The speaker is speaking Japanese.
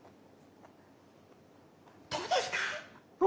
どうですか？